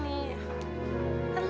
tapi aku gak betah disini